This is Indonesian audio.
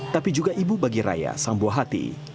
tapi juga ibu bagi raya sang buahati